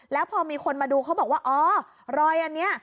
แล้วพอมีคนมาดูเขาบอกว่าอ๋อรอยอันนี้